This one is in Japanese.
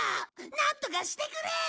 なんとかしてくれ！